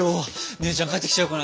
姉ちゃん帰ってきちゃうかな。